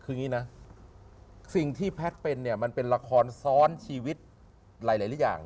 คืออย่างนี้นะสิ่งที่แพทย์เป็นเนี่ยมันเป็นละครซ้อนชีวิตหลายอย่าง